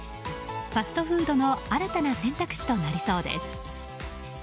ファストフードの新たな選択肢となりそうです。